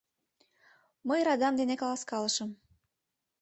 Мый радам дене каласкалышым.